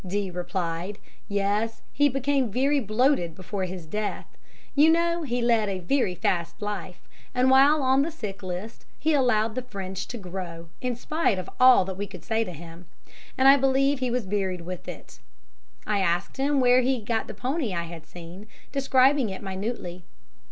D. replied, 'Yes, he became very bloated before his death. You know he led a very fast life, and while on the sick list he allowed the fringe to grow, in spite of all that we could say to him, and I believe he was buried with it.' I asked him where he got the pony I had seen, describing it minutely.